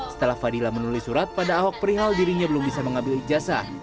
setelah fadila menulis surat pada ahok perihal dirinya belum bisa mengambil ijazah